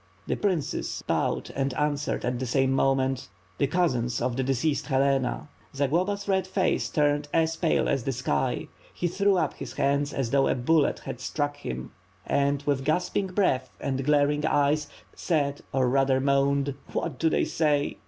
The princes bowed, and answered at the same moment, "The cousins of the deceased Helena." Zagloba's red face turned as pale as the sky; he threw up his hands as though a bullet had struck him and, with gasp ing breath and glaring eyes — said, or rather, moaned: "What do you say!"